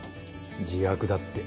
自白だって。